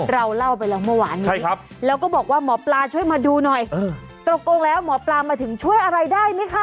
เราเล่าไปแล้วเมื่อวานนี้แล้วก็บอกว่าหมอปลาช่วยมาดูหน่อยตรงแล้วหมอปลามาถึงช่วยอะไรได้ไหมคะ